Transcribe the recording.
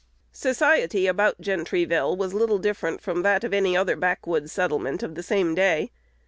Society about Gentryville was little different from that of any other backwoods settlement of the same day.